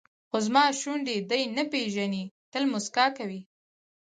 خو زما شونډې دوی نه پېژني تل موسکا کوي.